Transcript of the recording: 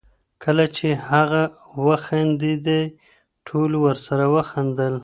کله چي هغه وخندېدی، ټولو ورسره وخندل.